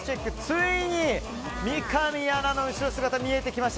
ついに三上アナの後ろ姿が見えてきました。